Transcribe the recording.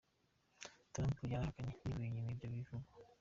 Trump yarahakanye yivuye inyuma ivyo bivugwa.